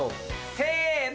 せの。